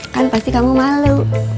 kan pasti kamu malu